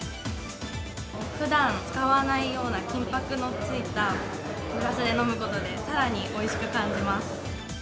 ふだん使わないような金ぱくのついたグラスで飲むことで、さらにおいしく感じます。